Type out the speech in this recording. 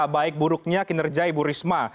baik buruknya kinerja ibu risma